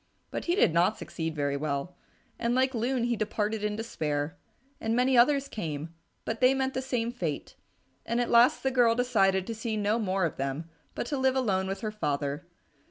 But he did not succeed very well, and like Loon he departed in despair. And many others came, but they met the same fate, and at last the girl decided to see no more of them, but to live alone with her father.